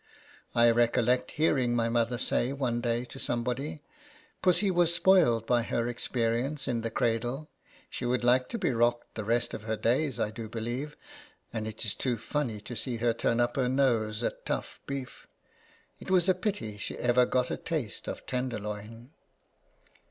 I recollect hearing my mother say one day to somebody, " Pussy was spoiled by her experience in the cradle. She would like to be rocked the rest of her days, I do believe ; and it is too funny to see her turn up her nose at tough beef. It was a pity she ever got a taste of tenderloin